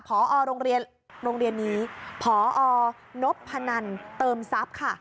พอโรงเรียนนี้พอนพพนันเติมทรัพย์ค่ะ